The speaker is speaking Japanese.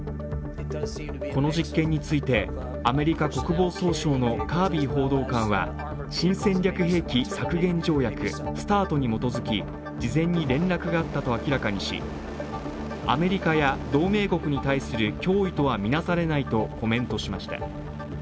この実験についてアメリカ国防総省のカービー報道官は新戦略兵器削減条約＝ＳＴＡＲＴに基づき、事前に連絡があったと明らかにしアメリカや同盟国に対する脅威とは見なされないとコメントしました。